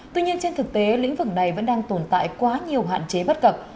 tuy nhiên trên thực tế lĩnh vực này vẫn đang tồn tại quá nhiều hạn chế bất cập